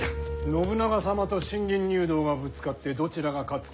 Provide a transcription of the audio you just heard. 信長様と信玄入道がぶつかってどちらが勝つかは。